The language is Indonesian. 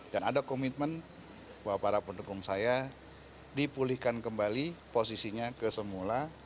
dan ada komitmen bahwa para pendukung saya dipulihkan kembali posisinya kesemula